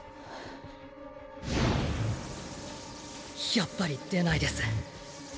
やっぱり出ないです